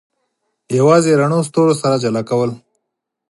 یوازې رڼو ستورو سره جلا کول.